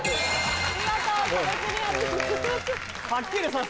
見事壁クリアです。